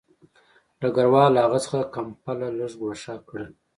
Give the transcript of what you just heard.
ډګروال له هغه څخه کمپله لږ ګوښه کړه